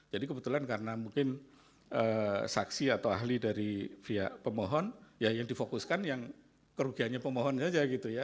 jadi kebetulan karena mungkin saksi atau ahli dari via pemohon ya yang difokuskan yang kerugiannya pemohon saja gitu ya